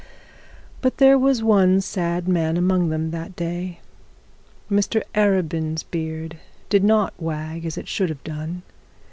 But there was one sad man among them that day. Mr Arabin's beard did not wag as it should have done.